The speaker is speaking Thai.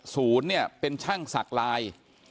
ศูนย์เนี่ยเป็นช่างศักดิ์ลาย